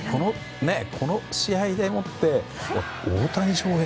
この試合でもって大谷翔平